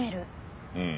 うん。